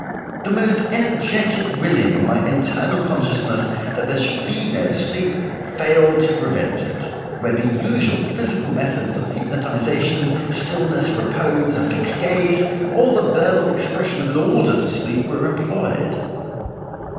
The most energetic willing in my internal consciousness that there should be no sleep, failed to prevent it, where the usual physical methods of hypnotization, stillness, repose, a fixed gaze, or the verbal expression of an order to sleep, were employed."